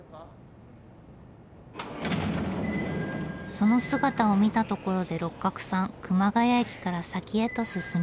その姿を見たところで六角さん熊谷駅から先へと進みます。